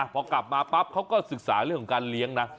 พอกลับมาปั๊บเขาก็ศึกษาเรื่องของการเลี้ยงนะ